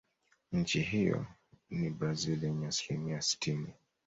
Nchi hiyo ni Blazil yenye asilimia sitini